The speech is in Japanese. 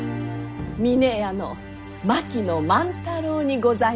峰屋の槙野万太郎にございまする。